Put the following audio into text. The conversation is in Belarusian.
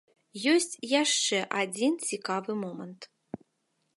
Ёсць яшчэ адзін цікавы момант.